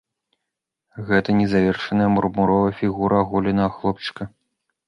Гэта незавершаная мармуровая фігура аголенага хлопчыка.